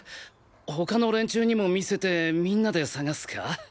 他の連中にも見せてみんなで探すか？